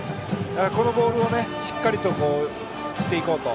このボールをしっかりと振っていこうと。